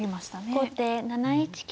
後手７一金。